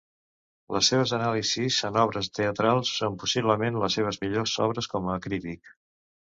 Les seves anàlisis en obres teatrals són possiblement les seves millors obres com a crític.